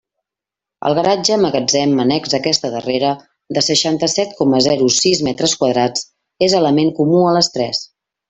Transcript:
El garatge magatzem annex a aquesta darrera, de seixanta-set coma zero sis metres quadrats, és element comú a les tres.